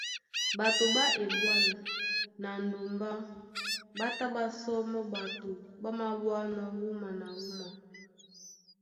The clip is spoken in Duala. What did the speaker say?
Ɓato ɓá eɓwân na ndumbá ɓá tá ɓá sɔmɔ́ ɓato ɓá maɓwánɔ̄ wúma na wúma.